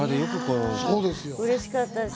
うれしかったです。